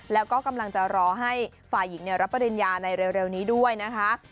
แล้วก็กำลังจะรอให้ฝ่ายหญิงรับปริญญาในเร็วนี้ด้วยนะคะ